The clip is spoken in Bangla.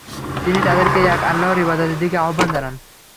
তিনি তাদেরকে এক আল্লাহর ইবাদতের দিকে আহ্বান জানান।